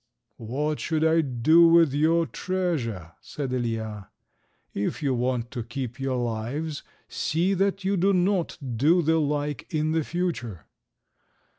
"What should I do with your treasure?" said Ilija. "If you want to keep your lives, see that you do not do the like in future."